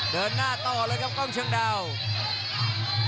เดินหน้าต่อเลยครับกล้องเชียงดาว